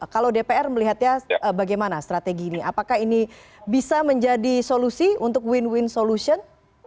kalau dpr melihatnya bagaimana strategi ini apakah ini bisa menjadi solusi untuk win win solution